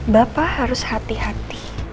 bapak harus hati hati